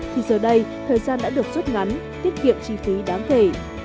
thì giờ đây thời gian đã được rút ngắn tiết kiệm chi phí đáng kể